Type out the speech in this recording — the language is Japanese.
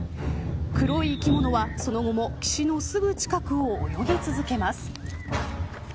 黒い生き物はその後も岸のすぐ近くを泳ぎ続けます。